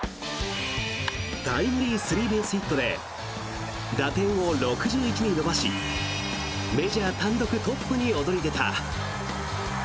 タイムリースリーベースヒットで打点を６１に伸ばしメジャー単独トップに躍り出た。